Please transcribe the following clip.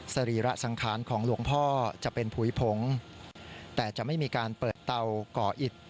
สรีระสังขารของหลวงพ่อจะเป็นผุยผงแต่จะไม่มีการเปิดเตาก่ออิด